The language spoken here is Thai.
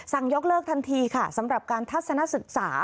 ยกเลิกทันทีค่ะสำหรับการทัศนศึกษา